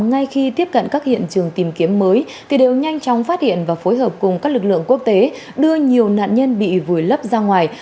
ngay khi tiếp cận các hiện trường tìm kiếm mới thì đều nhanh chóng phát hiện và phối hợp cùng các lực lượng quốc tế đưa nhiều nạn nhân bị vùi lấp ra ngoài